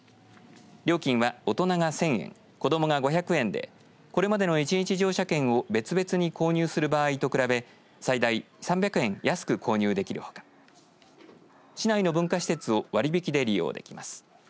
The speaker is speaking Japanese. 料金は大人が１０００円子どもが５００円でこれまでの１日乗車券を別々に購入する場合と比べ最大３００円安く購入できるほか市内の文化施設を割引で利用できます。